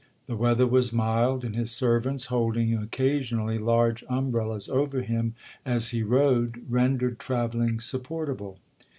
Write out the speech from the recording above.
The weather was mild, and his servants holding occasionally large umbrellas over him as he rode, rendered travelling supportable.